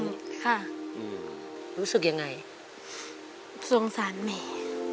ค่ะอืมรู้สึกยังไงสงสารแม่